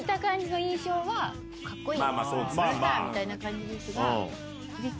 スター！みたいな感じですが。